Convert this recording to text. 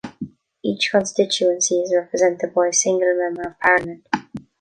Each constituency is represented by a single Member of Parliament.